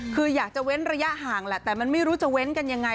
คืออยากจะเว้นระยะห่างแหละแต่มันไม่รู้จะเว้นกันยังไง